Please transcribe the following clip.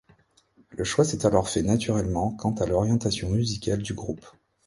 Le choix s'est alors fait naturellement quant à l'orientation musicale du groupe.